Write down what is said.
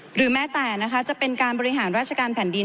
หรือแม้แต่จะเป็นการบริหารราชการแผ่นดิน